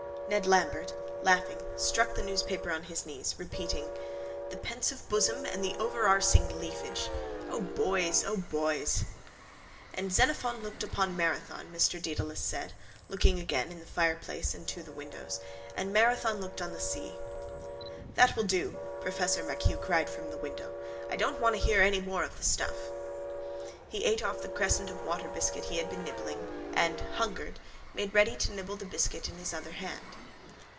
Ned Lambert, laughing, struck the newspaper on his knees, repeating: —The pensive bosom and the overarsing leafage. O boys! O boys! —And Xenophon looked upon Marathon, Mr Dedalus said, looking again on the fireplace and to the window, and Marathon looked on the sea. —That will do, professor MacHugh cried from the window. I don't want to hear any more of the stuff. He ate off the crescent of water biscuit he had been nibbling and, hungered, made ready to nibble the biscuit in his other hand.